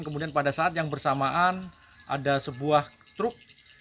kemudian pada saat yang bersamaan ada sebuah truk